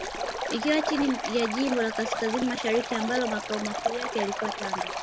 Ikiwa chini ya jimbo la Kaskazini Mashariki ambalo Makao Makuu yake yalikuwa Tanga